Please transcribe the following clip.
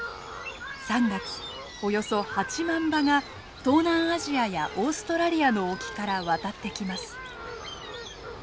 ３月およそ８万羽が東南アジアやオーストラリアの沖から渡ってきます。